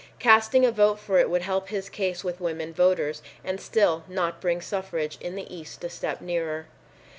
Casting a vote for it would help his case with women voters, and still not bring suffrage in the East a step nearer.